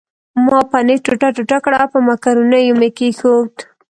ما پنیر ټوټه ټوټه کړ او په مکرونیو مې کښېښود.